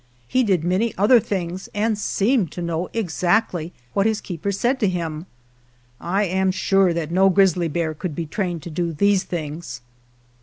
He did many other things, and seemed to know exactly what his keeper said to him. I am sure that no grizzly bear could be trained to do these things.